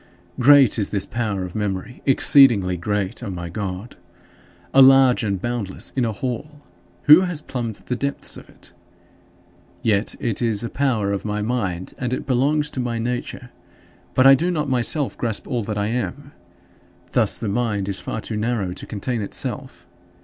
15. Great is this power of memory, exceedingly great, O my God a large and boundless inner hall! Who has plumbed the depths of it? Yet it is a power of my mind, and it belongs to my nature. But I do not myself grasp all that I am. Thus the mind is far too narrow to contain itself.